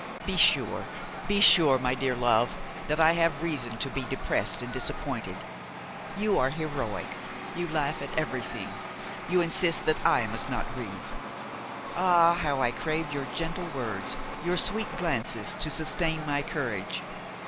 "Be sure, be sure, my dear love, that I have reason to be depressed and disappointed. You are heroic, you laugh at everything, you insist that I must not grieve. Ah! how I crave your gentle words, your sweet glances, to sustain my courage!